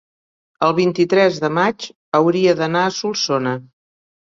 el vint-i-tres de maig hauria d'anar a Solsona.